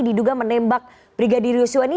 diduga menembak brigadir yosuani